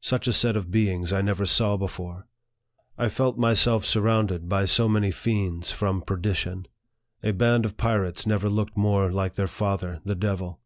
Such a set of beings I never saw before ! I felt myself surrounded by so many fiends ! NARRATIVE OF THE from perdition. A band of pirates never looked more like their father, the devil.